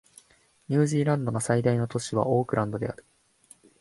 ニュージーランドの最大都市はオークランドである